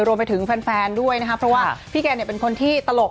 รวมไปถึงแฟนด้วยนะครับเพราะว่าพี่แกเนี่ยเป็นคนที่ตลก